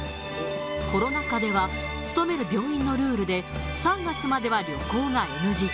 コロナ禍では勤める病院のルールで、３月までは旅行がＮＧ。